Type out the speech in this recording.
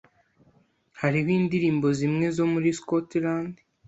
Hariho indirimbo zimwe zo muri Scotland.